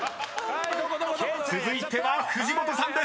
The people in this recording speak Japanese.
［続いては藤本さんです］